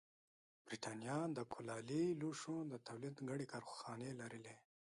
برېټانیا د کولالي لوښو د تولید ګڼې کارخانې لرلې